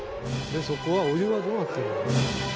そこはお湯はどうなってんの？